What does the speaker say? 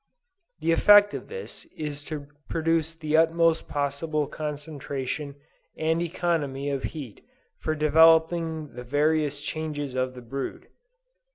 The effect of this is to produce the utmost possible concentration and economy of heat for developing the various changes of the brood!"